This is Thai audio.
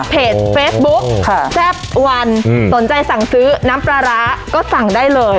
เพจเฟซบุ๊กแซ่บวันสนใจสั่งซื้อน้ำปลาร้าก็สั่งได้เลย